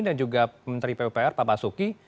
dan juga menteri pppr pak pasuki